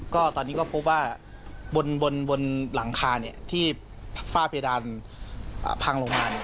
ก็ตอนนี้ก็พบว่าบนบนบนหลังคาเนี้ยที่ป้าเพดานอ่าพังลงมานี่